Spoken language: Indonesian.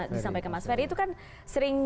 disampaikan mas ferry itu kan sering